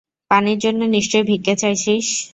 পানির জন্য নিশ্চয়ই ভিক্ষে চাইছিস?